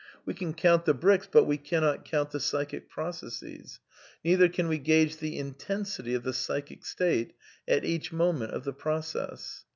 We can count the bricks; but we cannot count the psychic processes; neither can we gauge the intensity of the psychic state at each moment of the process.